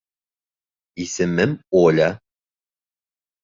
Исемем Оля